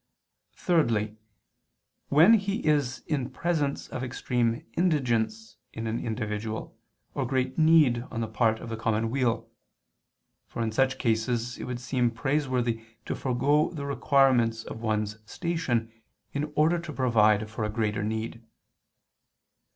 Thirdly, when he is in presence of extreme indigence in an individual, or great need on the part of the common weal. For in such cases it would seem praiseworthy to forego the requirements of one's station, in order to provide for a greater need.